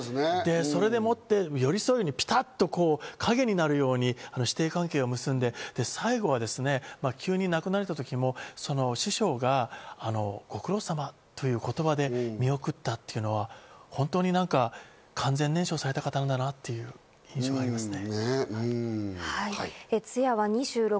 それでもって寄り添うように、ぴたっと陰になるように師弟関係を結んで、最後は急に亡くなられた時も、師匠がご苦労様という言葉で見送ったというのは、本当に完全燃焼された方なんだなという印象がありますね。